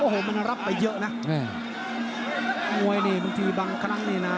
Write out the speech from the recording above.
โอ้โหมันรับไปเยอะนะมวยนี่บางทีบางครั้งนี่นะ